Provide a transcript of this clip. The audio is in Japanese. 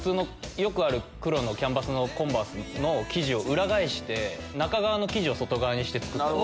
よくある黒のキャンバスのコンバースの生地を裏返して中側の生地を外側にして作った。